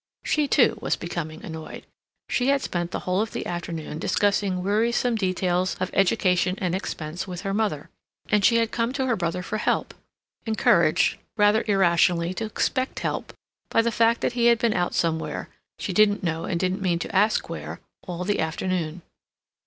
She, too, was becoming annoyed. She had spent the whole of the afternoon discussing wearisome details of education and expense with her mother, and she had come to her brother for help, encouraged, rather irrationally, to expect help by the fact that he had been out somewhere, she didn't know and didn't mean to ask where, all the afternoon.